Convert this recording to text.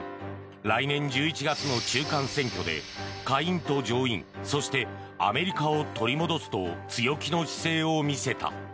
来年１１月の中間選挙で下院と上院、そしてアメリカを取り戻すと強気の姿勢を見せた。